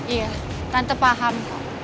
iya tante paham